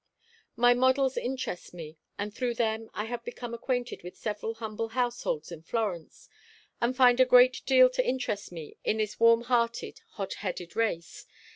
My models interest me, and through them I have become acquainted with several humble households in Florence, and find a great deal to interest me in this warmhearted, hot headed race.